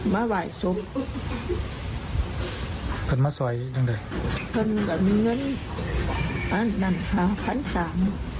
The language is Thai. ไม่ไหวทุกคนมาสวยด้วยเพิ่มแต่มีเงินอันนั้นค่ะพันสาม